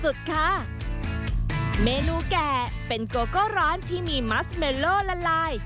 เมนูแก่เป็นโกโก้ร้านที่มีมัสเมโลละลาย